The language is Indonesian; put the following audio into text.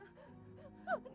dia tidak mau menerima ibunya